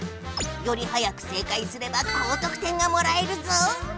よりはやく正解すれば高得点がもらえるぞ！